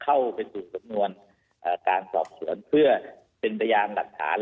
และก็สปอร์ตเรียนว่าคำน่าจะมีการล็อคกรมการสังขัดสปอร์ตเรื่องหน้าในวงการกีฬาประกอบสนับไทย